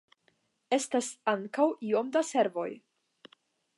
Estas ankaŭ iom da servoj.